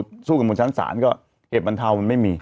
ถ้าสู้กันบนชั้นศาลก็เหตุบรรเทามันไม่มี